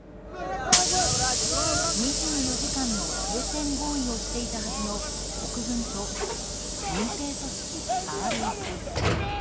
２４時間の停戦合意をしていたはずの国軍と国軍と民兵組織・ＲＳＦ。